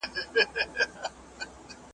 ما خو ویل چي نه را ګرځمه زه نه ستنېږم .